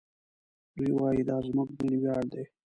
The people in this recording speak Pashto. دوی وايي دا زموږ ملي ویاړ دی.